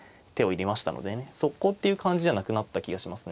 速攻っていう感じじゃなくなった気がしますね。